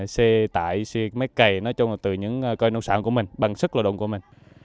xe tải xe máy cày nói chung là từ những cây nông sản của mình bằng sức lợi động của mình